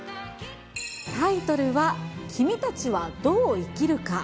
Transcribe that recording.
タイトルは、君たちはどう生きるか。